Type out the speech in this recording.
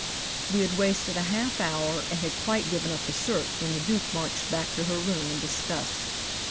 We had wasted a half hour, and had quite given up the search when the Duke marched back to her room in disgust.